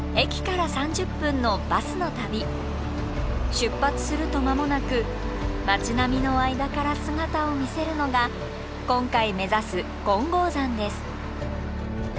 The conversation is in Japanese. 出発すると間もなく町並みの間から姿を見せるのが今回目指す金剛山です。